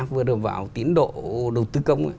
vừa đảm bảo tiến độ đầu tư công